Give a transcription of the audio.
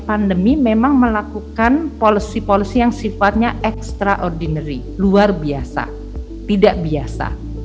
pandemi memang melakukan policy policy yang sifatnya extraordinary luar biasa tidak biasa